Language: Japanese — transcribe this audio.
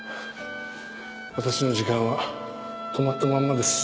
私の時間は止まったまんまです。